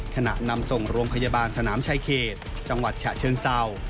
นำส่งโรงพยาบาลสนามชายเขตจังหวัดฉะเชิงเศร้า